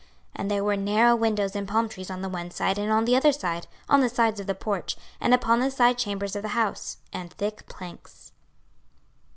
26:041:026 And there were narrow windows and palm trees on the one side and on the other side, on the sides of the porch, and upon the side chambers of the house, and thick planks.